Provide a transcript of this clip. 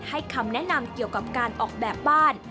คำแนะนำเกี่ยวกับการออกแบบบ้าน